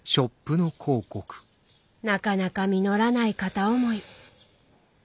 なかなか実らない片思い。